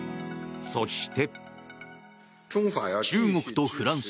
そして。